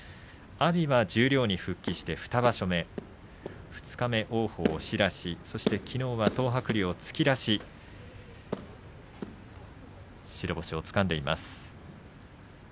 阿炎は十両に復帰して２場所目、二日目、王鵬を押し出しそしてきのうは東白龍を突き出し白星をつかんでいます。